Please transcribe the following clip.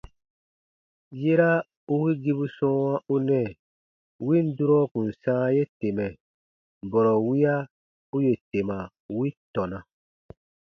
Yera u wigibu sɔ̃ɔwa u nɛɛ win durɔ kùn sãa ye temɛ, bɔrɔ wiya u yè tema wi tɔna.